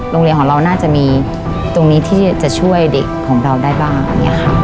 โรงเรียนของเราน่าจะมีตรงนี้ที่จะช่วยเด็กของเราได้บ้าง